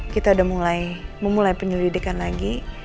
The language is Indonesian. kita udah mulai memulai penyelidikan lagi